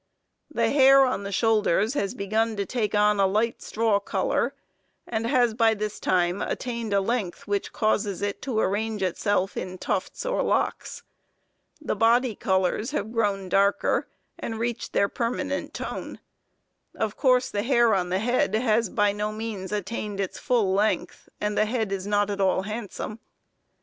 The hair on the shoulders has begun to take on the light straw color, and has by this time attained a length which causes it to arrange itself in tufts, or locks. The body colors have grown darker, and reached their permanent tone. Of course the hair on the head has by no means attained its full length, and the head is not at all handsome.